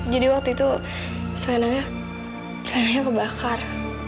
jadi waktu itu selendangnya selendangnya kebakar